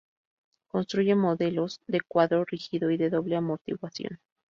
Construye modelos de cuadro rígido y de doble amortiguación.